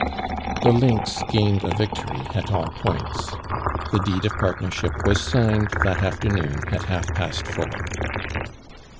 The lynx gained a victory at all points. The deed of partnership was signed that afternoon at half past four.